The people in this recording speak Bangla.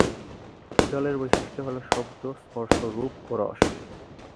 জলের বৈশিষ্ট্য হল শব্দ, স্পর্শ, রূপ ও রস।